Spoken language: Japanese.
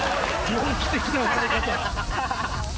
猟奇的な笑い方。